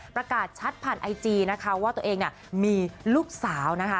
ประกาศชัดผ่านไอจีนะคะว่าตัวเองเนี่ยมีลูกสาวนะคะ